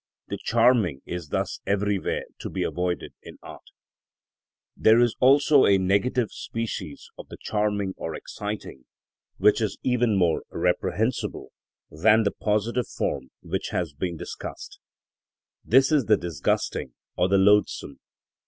The charming is thus everywhere to be avoided in art. There is also a negative species of the charming or exciting which is even more reprehensible than the positive form which has been discussed; this is the disgusting or the loathsome.